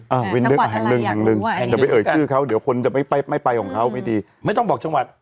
จังหวัดอะไรอยากรู้ไว้แต่ไม่เอ่ยชื่อเขาเดี๋ยวคนจะไม่ไปของเขาไม่ต้องบอกจังหวัด